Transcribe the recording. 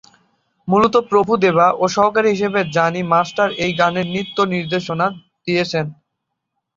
মূলত প্রভু দেবা ও সহকারী হিসেবে জানি মাস্টার এই গানের নৃত্য নির্দেশনা দিয়েছেন।